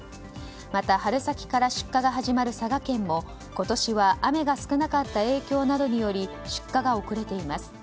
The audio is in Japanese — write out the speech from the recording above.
また、春先から出荷が始まる佐賀県も、今年は雨が少なかった影響などにより出荷が遅れています。